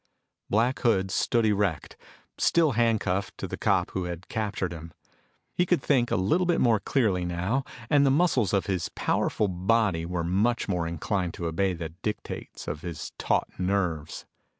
Black Hood stood erect, still handcuffed to the cop who had captured him. He could think a little bit more clearly now and the muscles of his powerful body were much more inclined to obey the dictates of his taut nerves.